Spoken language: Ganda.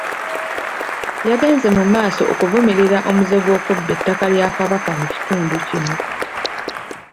Yagenze mumaaso okuvumirira omuze gw'okubba ettaka lya Kabaka mu kitundu kino.